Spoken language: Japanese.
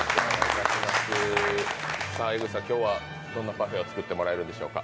今日はどんなパフェを作ってもらえるんでしょうか？